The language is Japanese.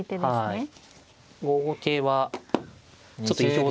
はい。